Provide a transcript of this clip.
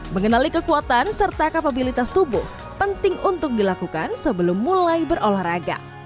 mengenali kekuatan serta kapabilitas tubuh penting untuk dilakukan sebelum mulai berolahraga